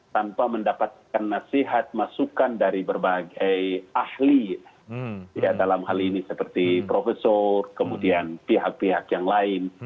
tanpa mendapatkan nasihat masukan dari berbagai ahli dalam hal ini seperti profesor kemudian pihak pihak yang lain